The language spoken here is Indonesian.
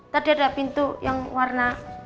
tadi ada pintu yang warna